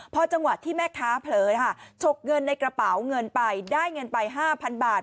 พอจังหวะที่แม่ค้าเผลอค่ะฉกเงินในกระเป๋าเงินไปได้เงินไป๕๐๐บาท